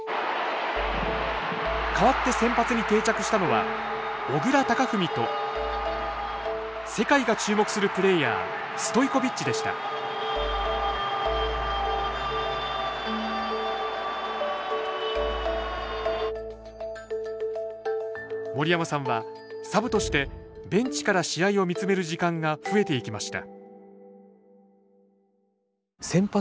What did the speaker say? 代わって先発に定着したのは小倉隆史と世界が注目するプレーヤー森山さんはサブとしてベンチから試合を見つめる時間が増えていきました